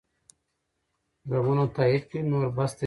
ږغونه تایید کړئ نور بس دی دا ځای.